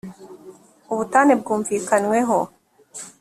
ubutane bwumvikanyweho.